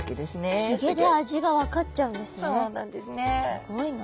すごいな。